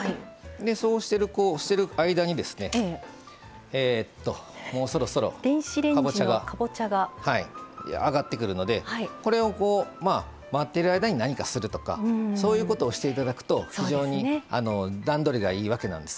そうしている間に、もうそろそろかぼちゃがあがってくるのでこれを待っている間に何かするとかそういうことをしていただくと非常に段取りがいいわけなんです。